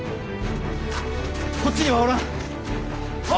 こっちにはおらん。